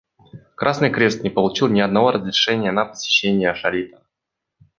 Красный Крест не получил ни одного разрешения на посещение Шалита.